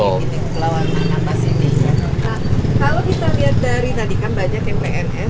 nah kalau kita lihat dari tadi kan banyak yang pns